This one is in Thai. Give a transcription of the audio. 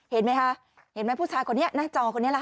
เห็นไหมคะเห็นไหมผู้ชายคนนี้หน้าจอคนนี้ล่ะค่ะ